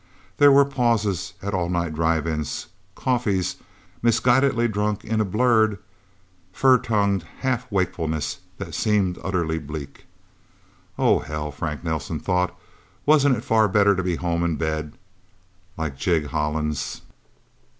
There were pauses at all night drive ins, coffees misguidedly drunk in a blurred, fur tongued half wakefulness that seemed utterly bleak. Oh, hell, Frank Nelsen thought, wasn't it far better to be home in bed, like Jig Hollins?